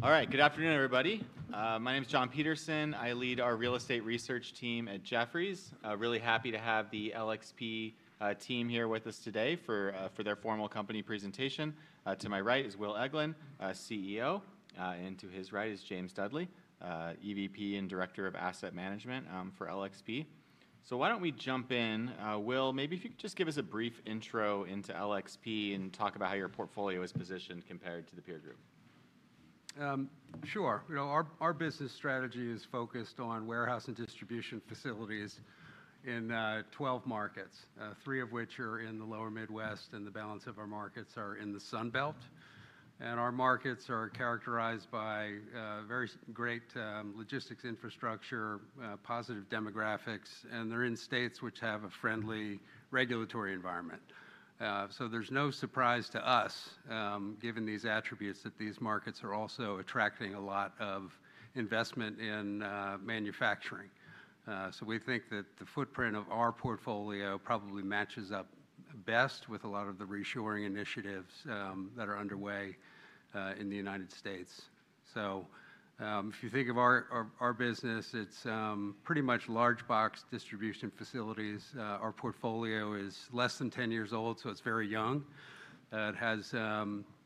All right, good afternoon, everybody. My name is John Peterson. I lead our real estate research team at Jefferies. Really happy to have the LXP team here with us today for their formal company presentation. To my right is Will Eglin, CEO, and to his right is James Dudley, EVP and Director of Asset Management for LXP. Why don't we jump in? Will, maybe if you could just give us a brief intro into LXP and talk about how your portfolio is positioned compared to the peer group. Sure. Our business strategy is focused on warehouse and distribution facilities in 12 markets, three of which are in the Lower Midwest, and the balance of our markets are in the Sun Belt. Our markets are characterized by very great logistics infrastructure, positive demographics, and they are in states which have a friendly regulatory environment. There is no surprise to us, given these attributes, that these markets are also attracting a lot of investment in manufacturing. We think that the footprint of our portfolio probably matches up best with a lot of the reshoring initiatives that are underway in the United States. If you think of our business, it is pretty much large box distribution facilities. Our portfolio is less than 10 years old, so it is very young. It has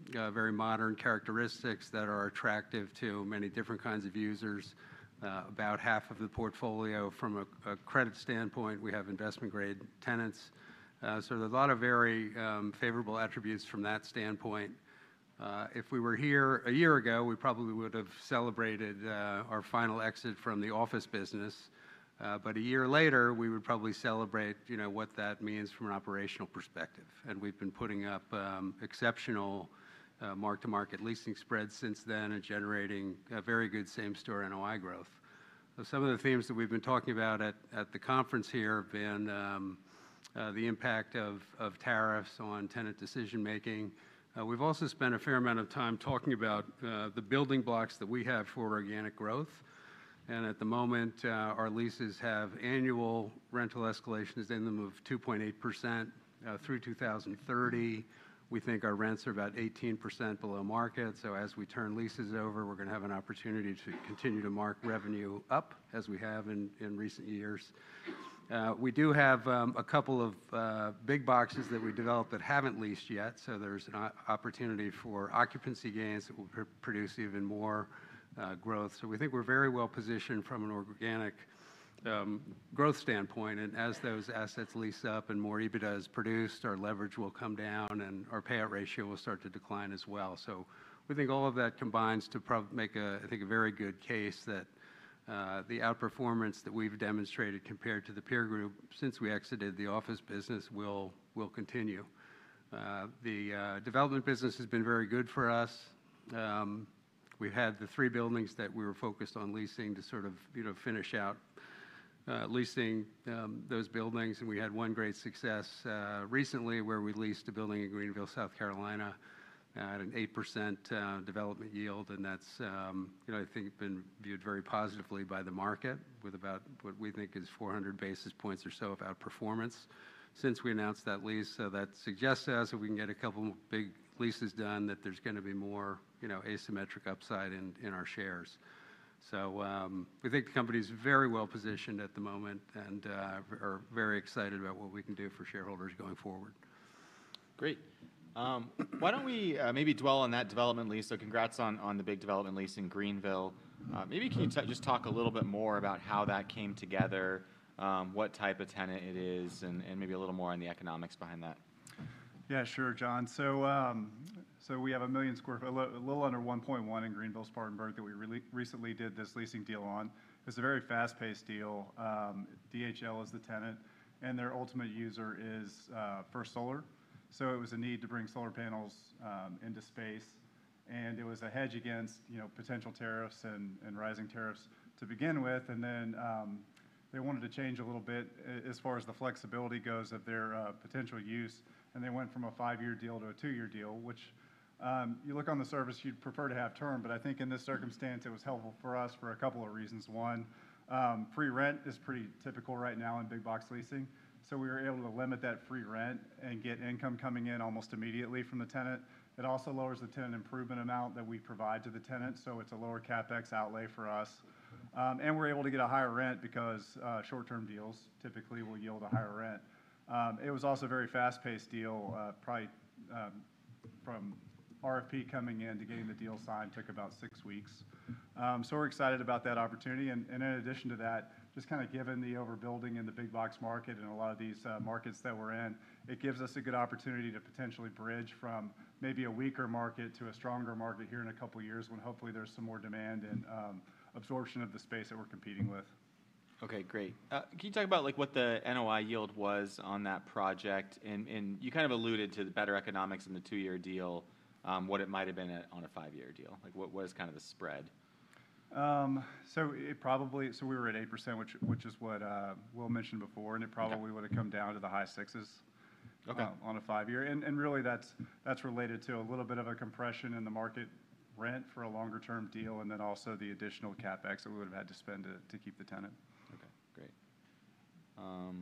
very modern characteristics that are attractive to many different kinds of users. About half of the portfolio, from a credit standpoint, we have investment-grade tenants. There are a lot of very favorable attributes from that standpoint. If we were here a year ago, we probably would have celebrated our final exit from the office business. A year later, we would probably celebrate what that means from an operational perspective. We've been putting up exceptional mark-to-market leasing spreads since then and generating very good same-store NOI growth. Some of the themes that we've been talking about at the conference here have been the impact of tariffs on tenant decision-making. We've also spent a fair amount of time talking about the building blocks that we have for organic growth. At the moment, our leases have annual rental escalations in them of 2.8% through 2030. We think our rents are about 18% below market. As we turn leases over, we're going to have an opportunity to continue to mark revenue up, as we have in recent years. We do have a couple of big boxes that we developed that haven't leased yet. There's an opportunity for occupancy gains that will produce even more growth. We think we're very well positioned from an organic growth standpoint. As those assets lease up and more EBITDA is produced, our leverage will come down and our payout ratio will start to decline as well. We think all of that combines to make a very good case that the outperformance that we've demonstrated compared to the peer group since we exited the office business will continue. The development business has been very good for us. We've had the three buildings that we were focused on leasing to sort of finish out leasing those buildings. We had one great success recently where we leased a building in Greenville, South Carolina, at an 8% development yield. I think that's been viewed very positively by the market with about what we think is 400 basis points or so of outperformance since we announced that lease. That suggests to us if we can get a couple of big leases done, there's going to be more asymmetric upside in our shares. We think the company is very well positioned at the moment and are very excited about what we can do for shareholders going forward. Great. Why don't we maybe dwell on that development lease? Congrats on the big development lease in Greenville. Maybe can you just talk a little bit more about how that came together, what type of tenant it is, and maybe a little more on the economics behind that? Yeah, sure, John. So we have a 1 million sq ft, a little under 1.1 million in Greenville, Spartanburg, that we recently did this leasing deal on. It's a very fast-paced deal. DHL is the tenant, and their ultimate user is First Solar. It was a need to bring solar panels into space. It was a hedge against potential tariffs and rising tariffs to begin with. They wanted to change a little bit as far as the flexibility goes of their potential use. They went from a five-year deal to a two-year deal, which you look on the surface, you'd prefer to have term. I think in this circumstance, it was helpful for us for a couple of reasons. One, free rent is pretty typical right now in big box leasing. We were able to limit that free rent and get income coming in almost immediately from the tenant. It also lowers the tenant improvement amount that we provide to the tenant. It is a lower CapEx outlay for us. We are able to get a higher rent because short-term deals typically will yield a higher rent. It was also a very fast-paced deal. Probably from RFP coming in to getting the deal signed took about six weeks. We are excited about that opportunity. In addition to that, just kind of given the overbuilding in the big box market and a lot of these markets that we are in, it gives us a good opportunity to potentially bridge from maybe a weaker market to a stronger market here in a couple of years when hopefully there is some more demand and absorption of the space that we are competing with. Okay, great. Can you talk about what the NOI yield was on that project? You kind of alluded to the better economics in the two-year deal, what it might have been on a five-year deal. What is kind of the spread? We were at 8%, which is what Will mentioned before. It probably would have come down to the high sixes on a five-year. That is related to a little bit of a compression in the market rent for a longer-term deal and then also the additional CapEx that we would have had to spend to keep the tenant. Okay, great. All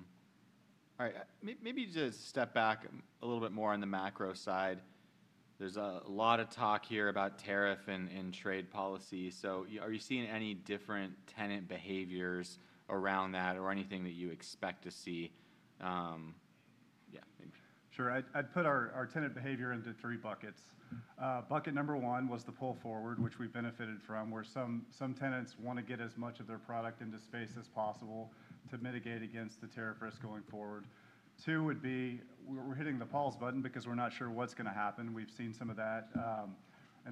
right, maybe just step back a little bit more on the macro side. There's a lot of talk here about tariff and trade policy. Are you seeing any different tenant behaviors around that or anything that you expect to see? Yeah, maybe. Sure. I'd put our tenant behavior into three buckets. Bucket number one was the pull forward, which we benefited from, where some tenants want to get as much of their product into space as possible to mitigate against the tariff risk going forward. Two would be we're hitting the pause button because we're not sure what's going to happen. We've seen some of that.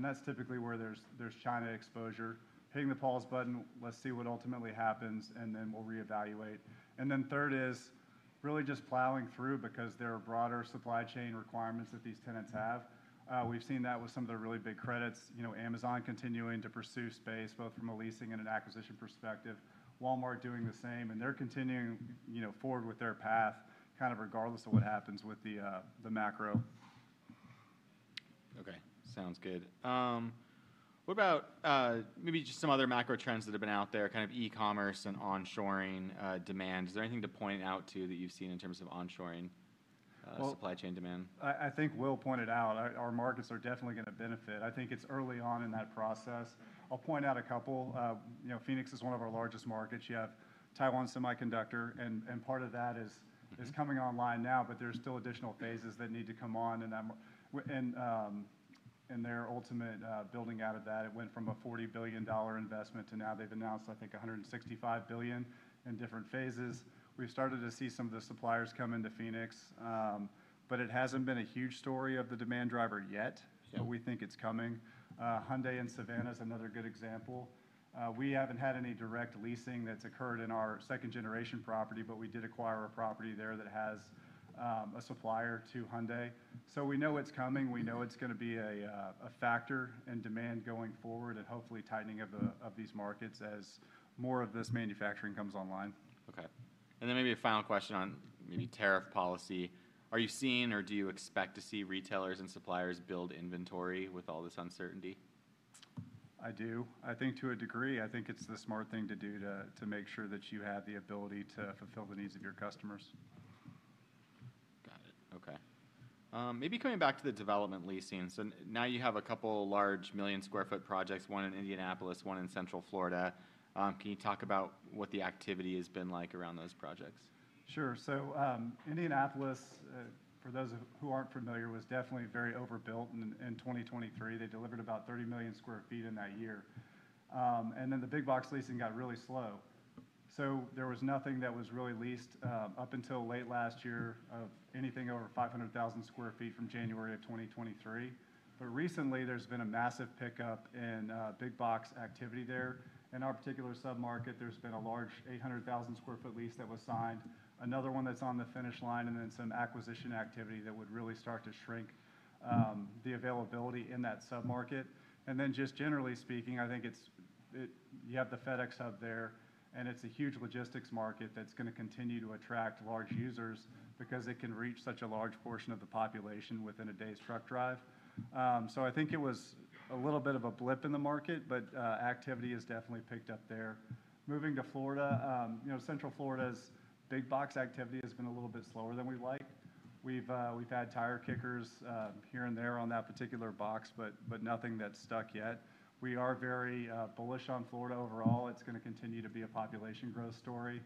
That's typically where there's China exposure. Hitting the pause button, let's see what ultimately happens, and then we'll reevaluate. Third is really just plowing through because there are broader supply chain requirements that these tenants have. We've seen that with some of their really big credits, Amazon continuing to pursue space both from a leasing and an acquisition perspective. Walmart doing the same. They're continuing forward with their path kind of regardless of what happens with the macro. Okay, sounds good. What about maybe just some other macro trends that have been out there, kind of e-commerce and onshoring demand? Is there anything to point out too that you've seen in terms of onshoring supply chain demand? I think Will pointed out our markets are definitely going to benefit. I think it's early on in that process. I'll point out a couple. Phoenix is one of our largest markets. You have Taiwan Semiconductor. And part of that is coming online now, but there's still additional phases that need to come on. And their ultimate building out of that, it went from a $40 billion investment to now they've announced, I think, $165 billion in different phases. We've started to see some of the suppliers come into Phoenix. But it hasn't been a huge story of the demand driver yet, but we think it's coming. Hyundai and Savannah is another good example. We haven't had any direct leasing that's occurred in our second-generation property, but we did acquire a property there that has a supplier to Hyundai. So we know it's coming. We know it's going to be a factor in demand going forward and hopefully tightening of these markets as more of this manufacturing comes online. Okay. Maybe a final question on maybe tariff policy. Are you seeing or do you expect to see retailers and suppliers build inventory with all this uncertainty? I do. I think to a degree. I think it's the smart thing to do to make sure that you have the ability to fulfill the needs of your customers. Got it. Okay. Maybe coming back to the development leasing. So now you have a couple of large million sq ft projects, one in Indianapolis, one in Central Florida. Can you talk about what the activity has been like around those projects? Sure. Indianapolis, for those who aren't familiar, was definitely very overbuilt in 2023. They delivered about 30 million sq ft in that year. The big box leasing got really slow. There was nothing that was really leased up until late last year of anything over 500,000 sq ft from January of 2023. Recently, there's been a massive pickup in big box activity there. In our particular submarket, there's been a large 800,000 sq ft lease that was signed, another one that's on the finish line, and some acquisition activity that would really start to shrink the availability in that submarket. Generally speaking, I think you have the FedEx hub there, and it's a huge logistics market that's going to continue to attract large users because it can reach such a large portion of the population within a day's truck drive. I think it was a little bit of a blip in the market, but activity has definitely picked up there. Moving to Florida, Central Florida's big box activity has been a little bit slower than we'd like. We've had tire kickers here and there on that particular box, but nothing that's stuck yet. We are very bullish on Florida overall. It's going to continue to be a population growth story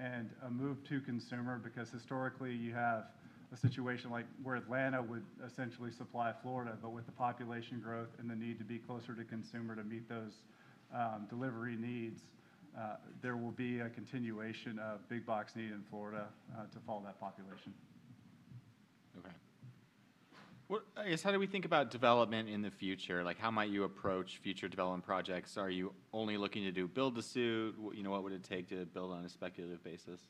and a move to consumer because historically, you have a situation like where Atlanta would essentially supply Florida, but with the population growth and the need to be closer to consumer to meet those delivery needs, there will be a continuation of big box need in Florida to follow that population. Okay. I guess, how do we think about development in the future? How might you approach future development projects? Are you only looking to do build-to-suit? What would it take to build on a speculative basis?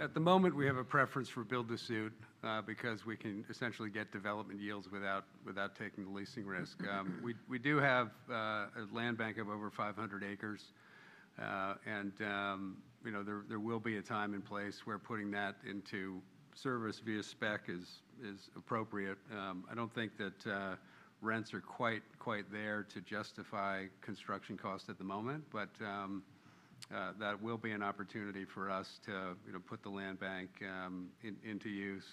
At the moment, we have a preference for build-to-suit because we can essentially get development yields without taking the leasing risk. We do have a land bank of over 500 acres. There will be a time and place where putting that into service via spec is appropriate. I do not think that rents are quite there to justify construction costs at the moment, but that will be an opportunity for us to put the land bank into use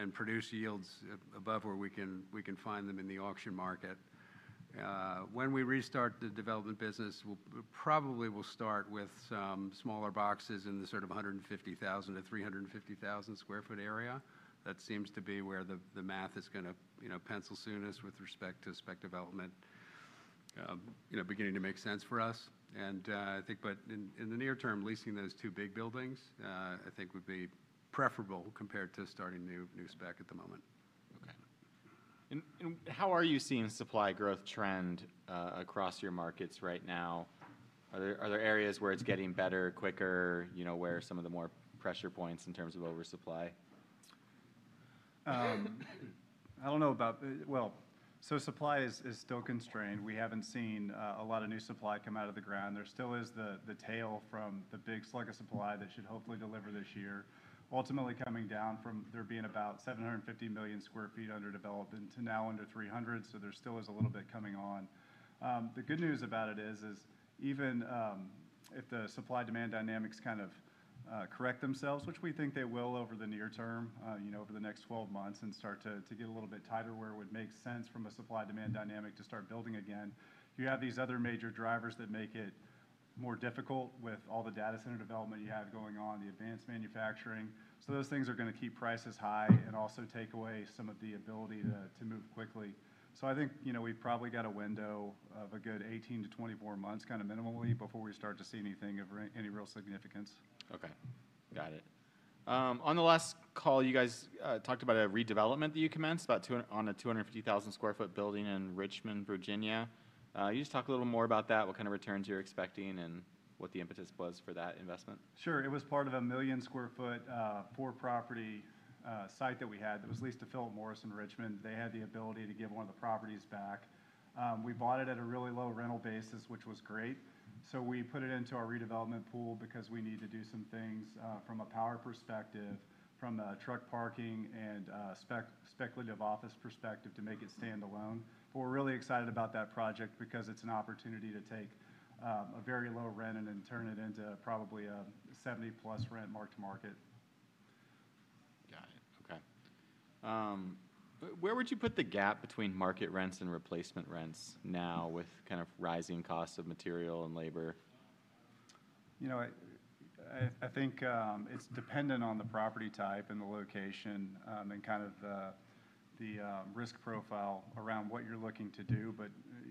and produce yields above where we can find them in the auction market. When we restart the development business, we probably will start with some smaller boxes in the sort of 150,000 sq ft-350,000 sq ft area. That seems to be where the math is going to pencil soonest with respect to spec development beginning to make sense for us. I think in the near term, leasing those two big buildings, I think, would be preferable compared to starting new spec at the moment. Okay. How are you seeing supply growth trend across your markets right now? Are there areas where it's getting better, quicker, where some of the more pressure points in terms of oversupply? I don't know about, well, supply is still constrained. We haven't seen a lot of new supply come out of the ground. There still is the tail from the big slug of supply that should hopefully deliver this year, ultimately coming down from there being about 750 million sq ft underdeveloped and to now under 300. There still is a little bit coming on. The good news about it is even if the supply-demand dynamics kind of correct themselves, which we think they will over the near term, over the next 12 months and start to get a little bit tighter where it would make sense from a supply-demand dynamic to start building again, you have these other major drivers that make it more difficult with all the data center development you have going on, the advanced manufacturing. Those things are going to keep prices high and also take away some of the ability to move quickly. I think we've probably got a window of a good 18 months-24 months kind of minimally before we start to see anything of any real significance. Okay. Got it. On the last call, you guys talked about a redevelopment that you commenced on a 250,000 sq ft building in Richmond, Virginia. You just talk a little more about that, what kind of returns you're expecting and what the impetus was for that investment? Sure. It was part of a million sq ft four-property site that we had that was leased to Philip Morris in Richmond. They had the ability to give one of the properties back. We bought it at a really low rental basis, which was great. We put it into our redevelopment pool because we need to do some things from a power perspective, from a truck parking and speculative office perspective to make it stand alone. We are really excited about that project because it is an opportunity to take a very low rent and then turn it into probably a 70+ rent mark to market. Got it. Okay. Where would you put the gap between market rents and replacement rents now with kind of rising costs of material and labor? I think it's dependent on the property type and the location and kind of the risk profile around what you're looking to do, but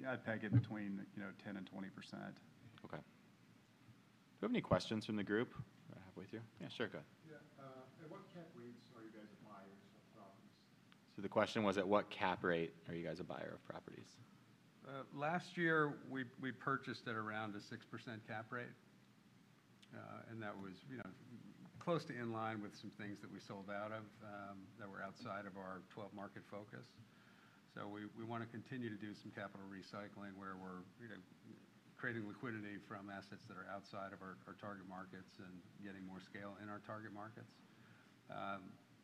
I'd peg it between 10% and 20%. Okay. Do you have any questions from the group that I have with you? Yeah, sure. Go ahead. Yeah. At what cap rates are you guys a buyer of properties? The question was, at what cap rate are you guys a buyer of properties? Last year, we purchased at around a 6% cap rate. That was close to in line with some things that we sold out of that were outside of our 12-market focus. We want to continue to do some capital recycling where we're creating liquidity from assets that are outside of our target markets and getting more scale in our target markets.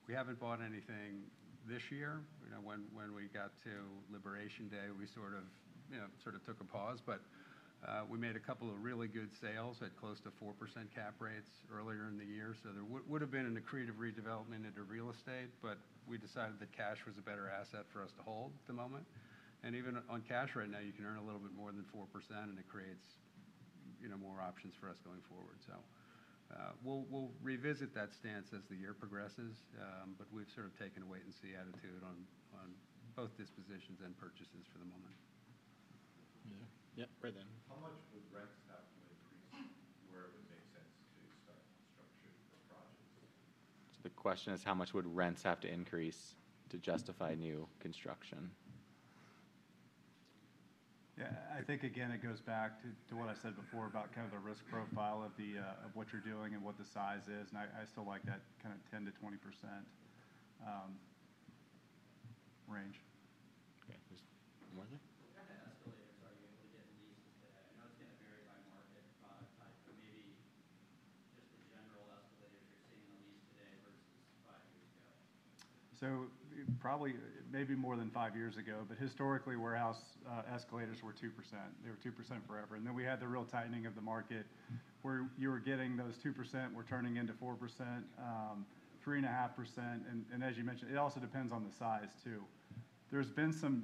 We haven't bought anything this year. When we got to liberation day, we sort of took a pause. We made a couple of really good sales at close to 4% cap rates earlier in the year. There would have been an accretive redevelopment into real estate, but we decided that cash was a better asset for us to hold at the moment. Even on cash right now, you can earn a little bit more than 4%, and it creates more options for us going forward. We will revisit that stance as the year progresses. We have sort of taken a wait-and-see attitude on both dispositions and purchases for the moment. Yeah. Yeah. Brendan. How much would rents have to increase where it would make sense to start construction for projects? The question is, how much would rents have to increase to justify new construction? Yeah. I think, again, it goes back to what I said before about kind of the risk profile of what you're doing and what the size is. I still like that kind of 10%-20% range. Okay. Just one more thing? What kind of escalators are you able to get leased today? That is going to vary by market product type, but maybe just the general escalators you are seeing the least today versus five years ago. Probably maybe more than five years ago, but historically, warehouse escalators were 2%. They were 2% forever. Then we had the real tightening of the market where you were getting those 2% were turning into 4%, 3.5%. As you mentioned, it also depends on the size too. There has been some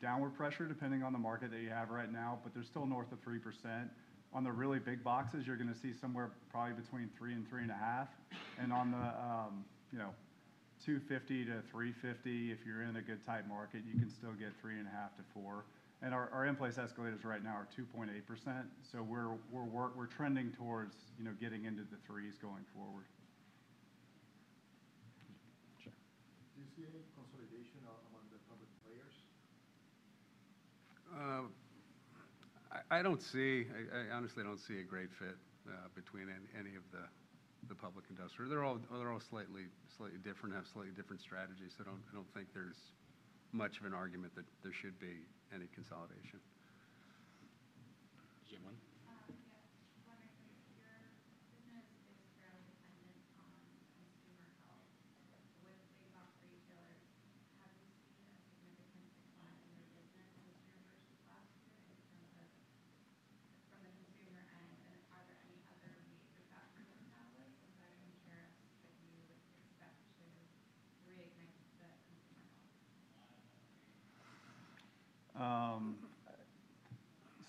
downward pressure depending on the market that you have right now, but they are still north of 3%. On the really big boxes, you are going to see somewhere probably between 3%-3.5%. On the 250-350, if you are in a good tight market, you can still get 3.5%-4%. Our in-place escalators right now are 2.8%. We are trending towards getting into the threes going forward. Sure. Do you see any consolidation among the public players? I honestly don't see a great fit between any of the public industries. They're all slightly different, have slightly different strategies. I don't think there's much of an argument that there should be any consolidation.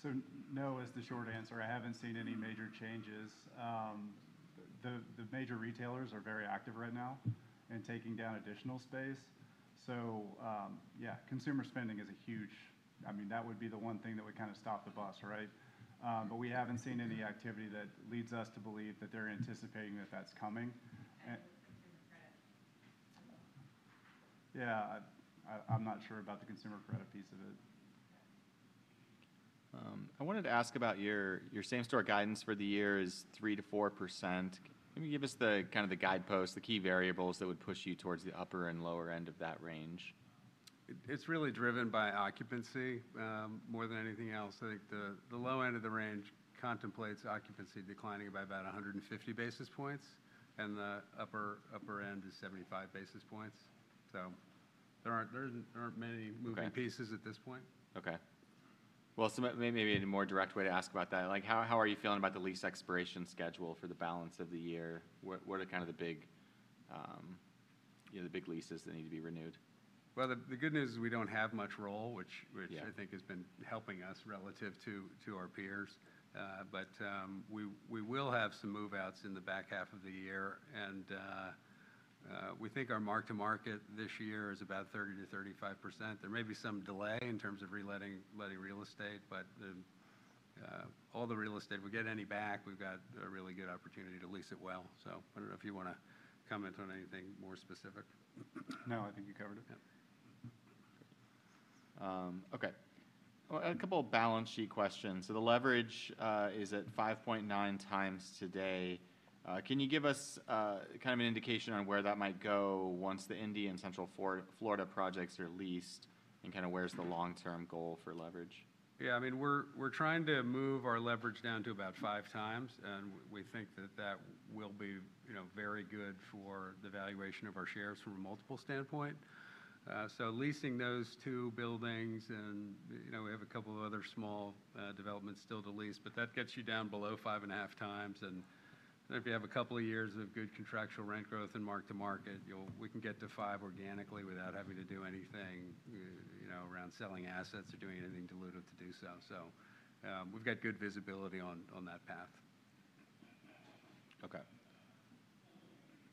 Jim? Yeah. One next question. Your business is fairly dependent on consumer health. With big box retailers, have you seen a significant decline in your business this year versus last year in terms of from the consumer end? Are there any other major factors in that way? I'm curious if you would expect to reignite the consumer health? No is the short answer. I haven't seen any major changes. The major retailers are very active right now and taking down additional space. Yeah, consumer spending is a huge, I mean, that would be the one thing that would kind of stop the bus, right? We haven't seen any activity that leads us to believe that they're anticipating that that's coming. Consumer credit. Yeah. I'm not sure about the consumer credit piece of it. I wanted to ask about your same-store guidance for the year is 3%-4%. Can you give us the kind of the guideposts, the key variables that would push you towards the upper and lower end of that range? It's really driven by occupancy more than anything else. I think the low end of the range contemplates occupancy declining by about 150 basis points, and the upper end is 75 basis points. There aren't many moving pieces at this point. Okay. Maybe in a more direct way to ask about that, how are you feeling about the lease expiration schedule for the balance of the year? What are kind of the big leases that need to be renewed? The good news is we do not have much roll, which I think has been helping us relative to our peers. We will have some move-outs in the back half of the year. We think our mark to market this year is about 30%-35%. There may be some delay in terms of reletting real estate, but all the real estate, if we get any back, we have a really good opportunity to lease it well. I do not know if you want to comment on anything more specific. No. I think you covered it. Okay. A couple of balance sheet questions. So the leverage is at 5.9x today. Can you give us kind of an indication on where that might go once the Indy and Central Florida projects are leased and kind of where's the long-term goal for leverage? Yeah. I mean, we're trying to move our leverage down to about 5x. We think that that will be very good for the valuation of our shares from a multiple standpoint. Leasing those two buildings, and we have a couple of other small developments still to lease, but that gets you down below 5.5x. If you have a couple of years of good contractual rent growth and mark to market, we can get to five organically without having to do anything around selling assets or doing anything dilutive to do so. We've got good visibility on that path. Okay.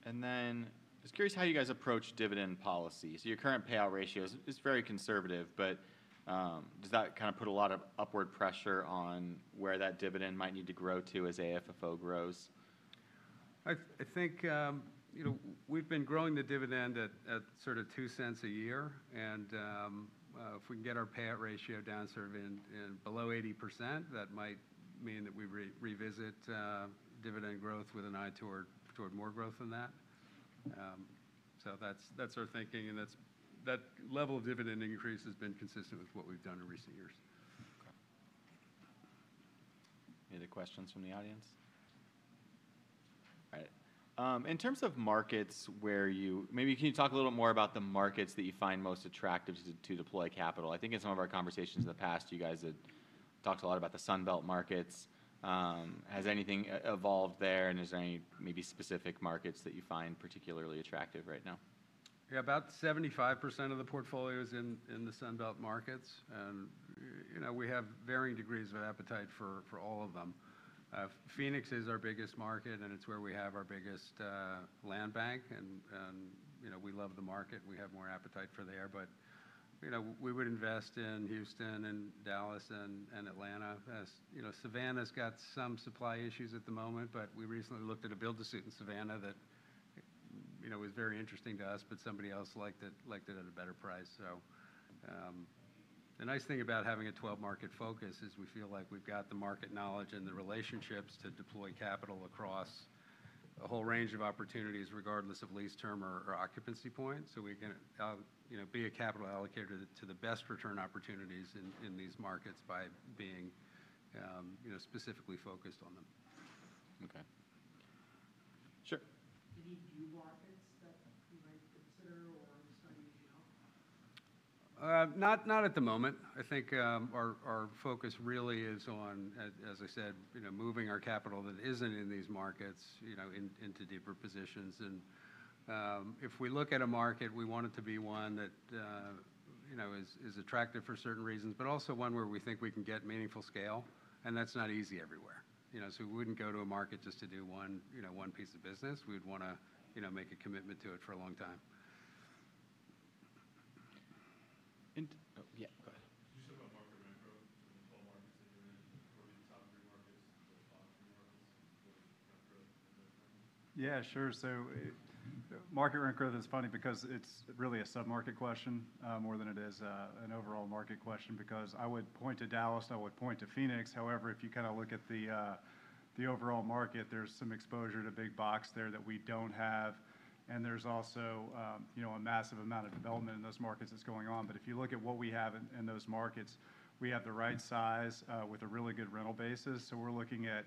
I was curious how you guys approach dividend policy. Your current payout ratio is very conservative, but does that kind of put a lot of upward pressure on where that dividend might need to grow to as AFFO grows? I think we've been growing the dividend at sort of 0.02 a year. If we can get our payout ratio down sort of below 80%, that might mean that we revisit dividend growth with an eye toward more growth than that. That level of dividend increase has been consistent with what we've done in recent years. Okay. Any other questions from the audience? All right. In terms of markets where you maybe can you talk a little more about the markets that you find most attractive to deploy capital? I think in some of our conversations in the past, you guys had talked a lot about the Sun Belt markets. Has anything evolved there? Is there any maybe specific markets that you find particularly attractive right now? Yeah. About 75% of the portfolio is in the Sun Belt markets. And we have varying degrees of appetite for all of them. Phoenix is our biggest market, and it is where we have our biggest land bank. And we love the market. We have more appetite for there. But we would invest in Houston and Dallas and Atlanta. Savannah's got some supply issues at the moment, but we recently looked at a build-to-suit in Savannah that was very interesting to us, but somebody else liked it at a better price. The nice thing about having a 12-market focus is we feel like we have got the market knowledge and the relationships to deploy capital across a whole range of opportunities regardless of lease term or occupancy point. We can be a capital allocator to the best return opportunities in these markets by being specifically focused on them. Okay. Sure. Any new markets that you might consider or are starting to develop? Not at the moment. I think our focus really is on, as I said, moving our capital that isn't in these markets into deeper positions. If we look at a market, we want it to be one that is attractive for certain reasons, but also one where we think we can get meaningful scale. That is not easy everywhere. We would not go to a market just to do one piece of business. We would want to make a commitment to it for a long time. Yeah, go ahead. Did you talk about market rent growth for the 12 markets that you're in? What are the top three markets and the bottom three markets? What is rent growth in those markets? Yeah, sure. Market rent growth is funny because it's really a sub-market question more than it is an overall market question because I would point to Dallas. I would point to Phoenix. However, if you kind of look at the overall market, there's some exposure to big box there that we don't have. There's also a massive amount of development in those markets that's going on. If you look at what we have in those markets, we have the right size with a really good rental basis. We're looking at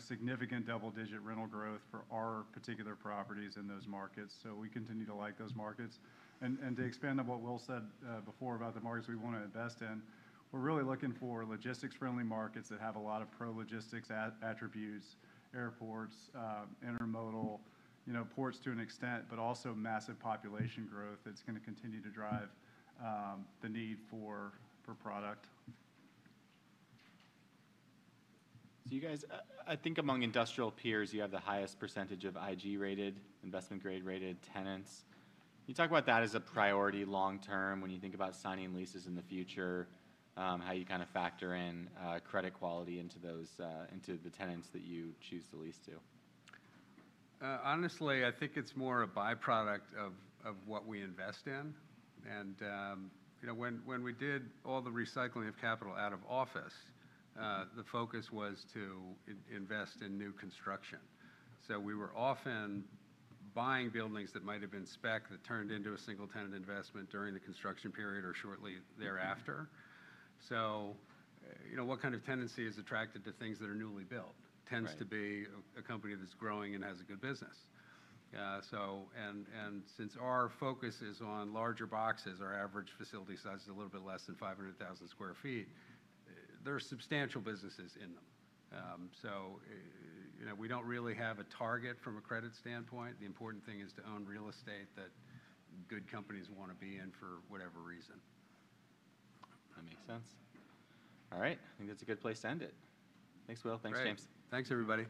significant double-digit rental growth for our particular properties in those markets. We continue to like those markets. To expand on what Will said before about the markets we want to invest in, we're really looking for logistics-friendly markets that have a lot of pro-logistics attributes: airports, intermodal ports to an extent, but also massive population growth that's going to continue to drive the need for product. You guys, I think among industrial peers, you have the highest percentage of IG-rated, investment-grade-rated tenants. Can you talk about that as a priority long-term when you think about signing leases in the future, how you kind of factor in credit quality into the tenants that you choose to lease to? Honestly, I think it's more a byproduct of what we invest in. When we did all the recycling of capital out of office, the focus was to invest in new construction. We were often buying buildings that might have been spec that turned into a single-tenant investment during the construction period or shortly thereafter. What kind of tenancy is attracted to things that are newly built tends to be a company that's growing and has a good business. Since our focus is on larger boxes, our average facility size is a little bit less than 500,000 sq ft, there are substantial businesses in them. We don't really have a target from a credit standpoint. The important thing is to own real estate that good companies want to be in for whatever reason. That makes sense. All right. I think that's a good place to end it. Thanks, Will. Thanks, James. All right. Thanks, everybody.